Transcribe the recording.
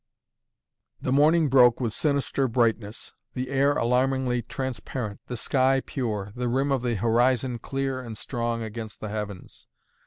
The morning broke with sinister brightness; the air alarmingly transparent, the sky pure, the rim of the horizon clear and strong against the heavens.